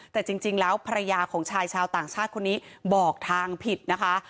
แต่จริงแล้วภรรยาของชายชาวต่างชาติคนนี้บอกทางผิดนะคะ